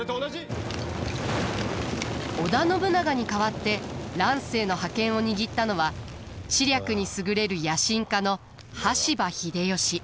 織田信長に代わって乱世の覇権を握ったのは知略に優れる野心家の羽柴秀吉。